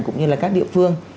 cũng như là các địa phương